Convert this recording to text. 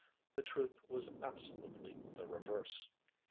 The truth was absolutely the reverse.